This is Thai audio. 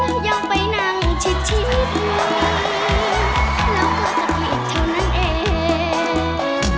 แล้วยังไปนั่งชิดนิดหนึ่งแล้วก็จะผิดเท่านั้นเอง